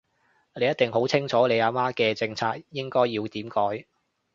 你一定好清楚你阿媽嘅政策應該要點改